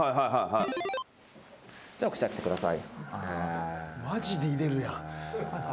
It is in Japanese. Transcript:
じゃあお口開けてください。